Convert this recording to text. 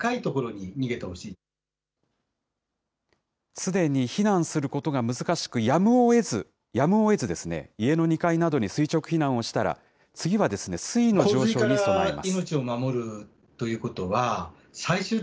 すでに避難することが難しく、やむをえず、やむをえずですね、家の２階などに垂直避難をしたら、次は水位の上昇に備えます。